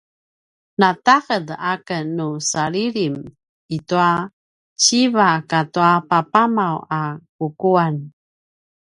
nu ta’ed aken nu salilim i tua siva katu papamaw a kukuan